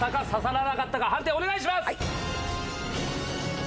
判定お願いします！